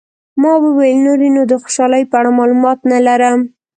ما وویل، نور یې نو د خوشحالۍ په اړه معلومات نه لرم.